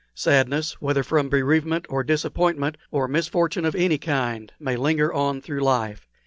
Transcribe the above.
Sadness, whether from bereavement, or disappointment, or misfortune of any kind, may linger on through life.